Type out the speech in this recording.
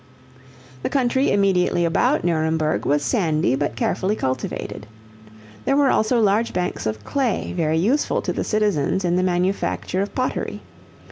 The country immediately about Nuremberg was sandy but carefully cultivated. There were also large banks of clay very useful to the citizens in the manufacture of pottery.